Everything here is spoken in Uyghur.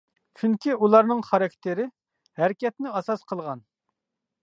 چۈنكى ئۇلارنىڭ خاراكتېرى ھەرىكەتنى ئاساس قىلغان.